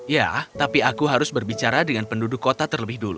ya tapi aku harus berbicara dengan penduduk kota terlebih dulu